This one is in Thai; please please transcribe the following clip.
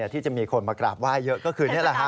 ที่จะมีคนมากราบไหว้เยอะก็คือนี่แหละฮะ